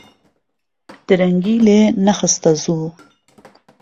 درەنگی لێ نهخسته زوو